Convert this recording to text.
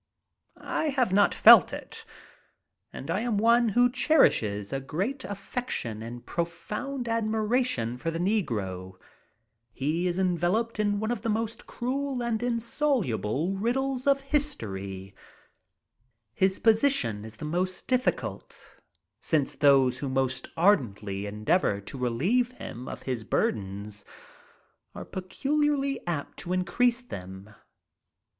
I have not felt it; and I am one who cherishes a great affection and a pro found admiration for the negro. He is enveloped in one of the most cruel and insoluble ©EH. ROBT. K LEE'S LAST STAND ©N THE FAMOUS BATTLEFIELD OF PETERSBURG. VA, riddles of history. His position is the more difficult since those who most ardently endeavor to relieve him of his burdens are peculiarly apt to increase them.